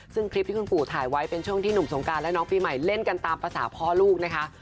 ซึ่งคลิปที่คุณปู่ถ่ายไว้เป็นช่วงที่หนุ่มสงการและน้องปีใหม่เล่นกันตามภาษาพ่อลูกนะคะ